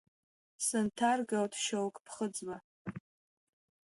Сынҭаргалт шьоук ԥхыӡла…